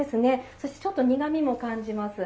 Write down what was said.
そして、ちょっと苦みも感じます。